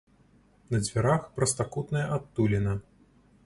На дзвярах прастакутная адтуліна.